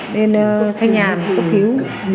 nên thanh nhà cấp cứu